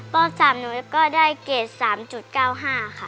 พ่อสามหนูก็ได้เกรด๓๙๕ค่ะ